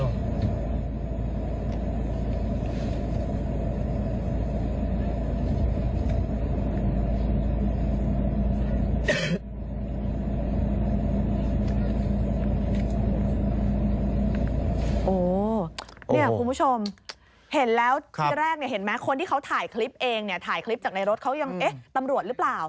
โอ้โหเนี่ยคุณผู้ชมเห็นแล้วที่แรกเนี่ยเห็นไหมคนที่เขาถ่ายคลิปเองเนี่ยถ่ายคลิปจากในรถเขายังเอ๊ะตำรวจหรือเปล่า